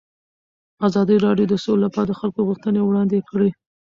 ازادي راډیو د سوله لپاره د خلکو غوښتنې وړاندې کړي.